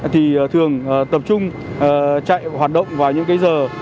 thì thường tập trung chạy hoạt động vào những cái giờ